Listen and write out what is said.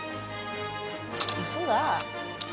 うそだ。